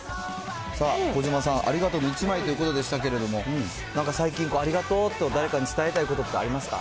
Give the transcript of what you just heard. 児嶋さん、ありがとうの１枚ということでしたけど、なんか最近、ありがとうと誰かに伝えたいことってありますか？